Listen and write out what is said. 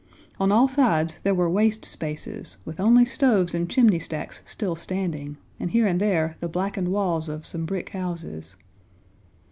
On all sides there were waste spaces with only stoves and chimney stacks still standing, and here and there the blackened walls of some brick houses.